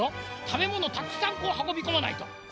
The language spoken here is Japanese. たべものたくさんこうはこびこまないと。